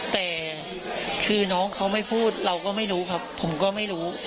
แต่คือน้องเขาไม่พูดเราก็ไม่รู้ครับผมก็ไม่รู้